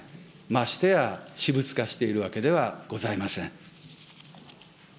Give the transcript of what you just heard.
ましてや、私物化しているわけではございません。